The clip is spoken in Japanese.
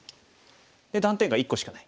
断点が１個しかない。